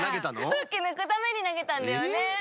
空気ぬくためになげたんだよね。